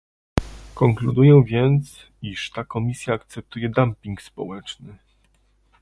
Konkluduję więc, iż ta Komisja akceptuje dumping społeczny